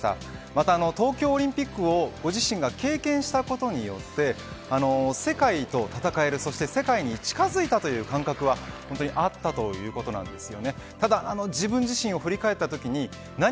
また東京オリンピックをご自身が経験したことによって世界と戦える、そして世界に近づいたという感覚はあったということなんです。